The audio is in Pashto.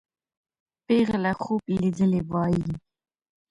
پېغله خوب لیدلی وایي.